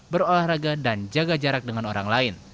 berolahraga dan jaga jarak dengan orang lain